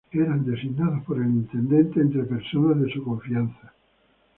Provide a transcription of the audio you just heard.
Eran designados por el intendente entre personas de su confianza.